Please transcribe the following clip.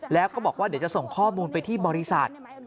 แล้วก็บอกว่าเดี๋ยวจะส่งข้อมูลไปที่บริษัท